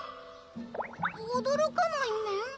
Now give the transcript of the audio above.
おどろかないメン？